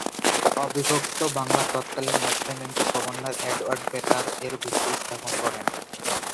অবিভক্ত বাংলার তৎকালীন লেফটেন্যান্ট গভর্নর অ্যাডওয়ার্ড বেকার এর ভিত্তি স্থাপন করেন।